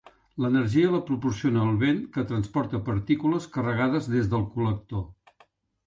L'energia la proporciona el vent que transporta partícules carregades des del col·lector.